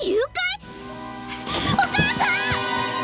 お母さん！